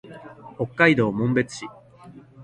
北海道紋別市